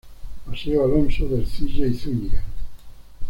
Paseo Alonso de Ercilla y Zuñiga.